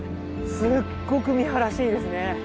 すっごく見晴らしいいですね。